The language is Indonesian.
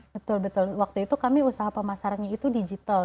betul betul waktu itu kami usaha pemasarannya itu digital